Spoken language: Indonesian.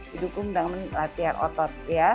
didukung dengan latihan otot